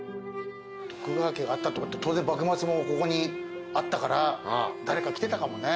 徳川家があったってことは当然幕末もここにあったから誰か来てたかもね。